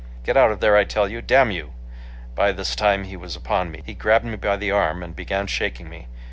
"Get out of there, I tell you. Damn you!" By this time he was upon me. He grabbed me by the arm and began shaking me.